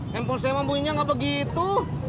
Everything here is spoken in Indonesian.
handphone saya membuinya nggak begitu